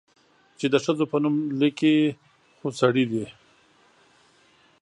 چې د ښځو په نوم ليکي، خو سړي دي؟